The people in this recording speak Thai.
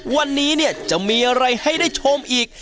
วันนี้เนี่ยจะมีอะไรให้ได้ชมอีก